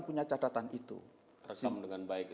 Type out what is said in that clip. punya catatan itu terekam dengan baik